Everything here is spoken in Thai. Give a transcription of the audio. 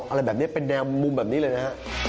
อะไรแบบนี้เป็นแนวมุมแบบนี้เลยนะฮะ